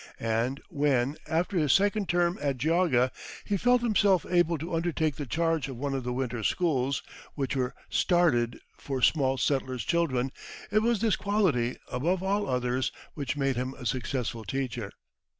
And when, after his second term at Geauga; he felt himself able to undertake the charge of one of the winter schools, which were started for small settlers' children, it was this quality, above all others, which made him a successful teacher.